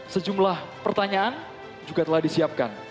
sejumlah pertanyaan juga telah disiapkan